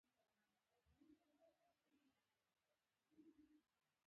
د زړه حمله باید څنګه وپېژندل شي؟